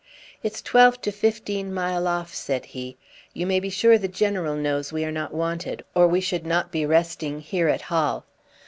"It's twelve to fifteen mile off," said he. "You may be sure the general knows we are not wanted, or we should not be resting here at Hal."